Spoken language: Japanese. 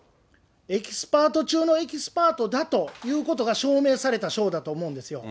エキスパート中のエキスパートだということが証明された証拠だと思うんですよ。